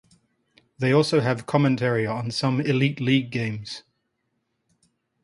They also have commentary on some Elite League games.